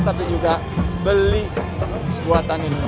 tapi juga beli puatan indonesia